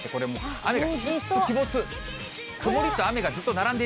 雨が。